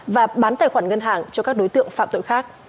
và bán tài khoản ngân hàng cho các đối tượng phạm tội khác